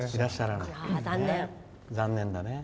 残念だね。